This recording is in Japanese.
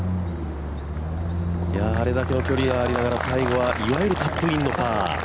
あれだけの距離がありながら最後はいわゆるタップインのパー。